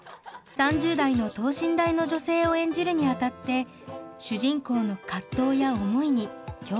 ３０代の等身大の女性を演じるにあたって主人公の葛藤や思いに共感したといいます。